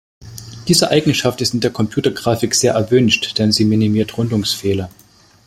Diese Eigenschaft ist in der Computergrafik sehr erwünscht, denn sie minimiert Rundungsfehler.